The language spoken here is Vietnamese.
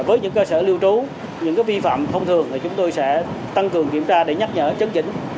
với những cơ sở lưu trú những vi phạm thông thường chúng tôi sẽ tăng cường kiểm tra để nhắc nhở chấn chỉnh